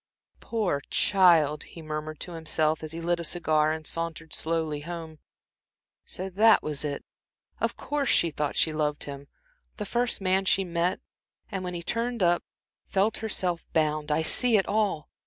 "Poor child!" he murmured to himself, as he lit a cigar and sauntered slowly home. "So that was it. Of course, she thought she loved him the first man she met, and when he turned up felt herself bound I see it all!